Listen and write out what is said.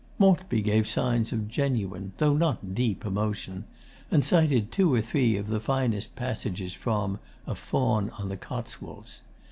Maltby gave signs of genuine, though not deep, emotion, and cited two or three of the finest passages from 'A Faun on the Cotswolds.